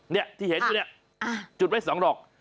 เนี่ยที่เห็นอยู่เนี่ยจุดไว้๒ดอก